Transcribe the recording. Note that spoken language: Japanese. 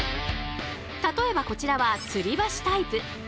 例えばこちらは吊り橋タイプ。